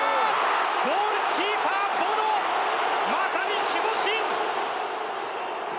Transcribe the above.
ゴールキーパー、ボノまさに守護神！